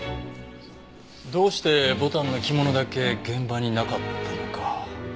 どうして牡丹の着物だけ現場になかったのか。